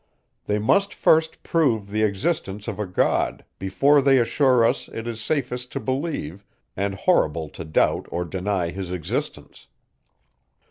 They must first prove the existence of a God, before they assure us, it is safest to believe, and horrible to doubt or deny his existence.